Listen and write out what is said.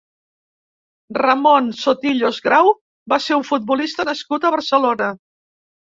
Ramon Sotillos Grau va ser un futbolista nascut a Barcelona.